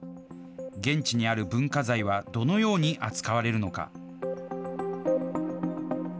現地にある文化財はどのように扱われるのか。